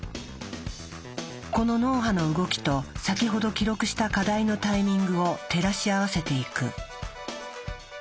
この脳波の動きと先ほど記録した課題のタイミングを照らし合わせていく。